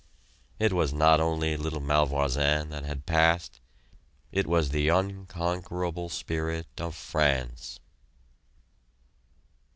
It was not only little Malvoisin that had passed; it was the unconquerable spirit of France!